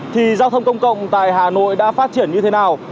thì giao thông công cộng tại hà nội đã phát triển như thế nào